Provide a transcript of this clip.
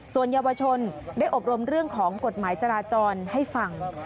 ส่วนเยาวชนได้อบรมเรื่องของกฎหมายจราจรให้ฟัง